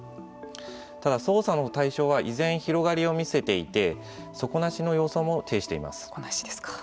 ただ、捜査の対象は依然、広がりを見せていて底なしの様相も呈しています。